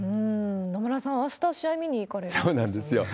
野村さん、あした試合見に行かれるんですよね？